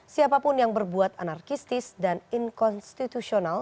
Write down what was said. siapapun yang berbuat anarkistis dan inkonstitusional